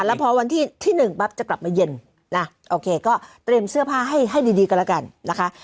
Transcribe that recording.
แล้วพอวันที่๑ปั๊บจะกลับมาเย็นล่ะโอเคก็เตรียมเสื้อผ้าให้ดีกันแล้วกันนะคะ